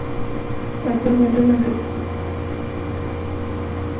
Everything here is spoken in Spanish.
Actualmente es la sede de las Colecciones Municipales de Arte.